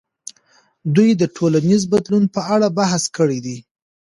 دوی د ټولنیز بدلون په اړه بحث کړی دی.